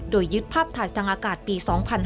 โดยยึดภาพถ่ายทางอากาศปี๒๕๕๙